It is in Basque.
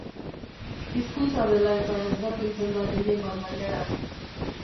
Hizkuntza dela eta ezberdintzen da gehien bat bailara.